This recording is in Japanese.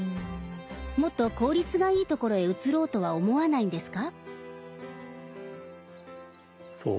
もっと効率がいいところへ移ろうとは思わないんですか？